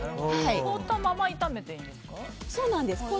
凍ったまま炒めていいんですか？